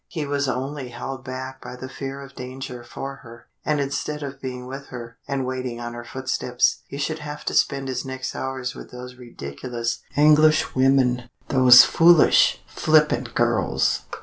He was only held back by the fear of the danger for her. And instead of being with her, and waiting on her footsteps, he should have to spend his next hours with those ridiculous Englishwomen! Those foolish, flippant girls!